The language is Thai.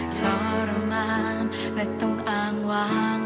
ทรมานและต้องอ่างวาง